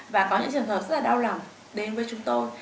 và có những trường hợp rất là đau lòng đến với chúng tôi